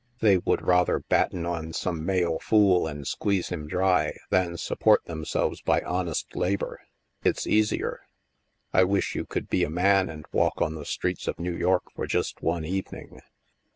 They would rather batten on some male fool and squeeze him dry than support themselves by honest labor. It's easier. I wish you could be a man and walk on the streets of New York for just one even ing.